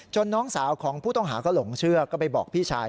น้องสาวของผู้ต้องหาก็หลงเชื่อก็ไปบอกพี่ชาย